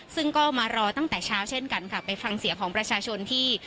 ซึ่งก็มารอตั้งแต่เช้าเช่นกันค่ะไปฟังเสียงของประชาชนที่